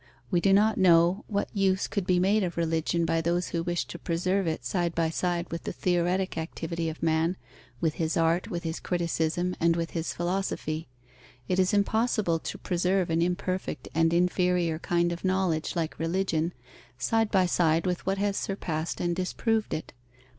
We do not know what use could be made of religion by those who wish to preserve it side by side with the theoretic activity of man, with his art, with his criticism, and with his philosophy. It is impossible to preserve an imperfect and inferior kind of knowledge, like religion, side by side with what has surpassed and disproved it.